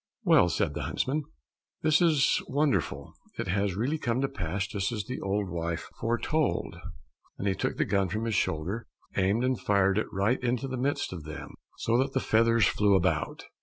"Well," said the huntsman, "this is wonderful, it has really come to pass just as the old wife foretold!" and he took the gun from his shoulder, aimed and fired right into the midst of them, so that the feathers flew about.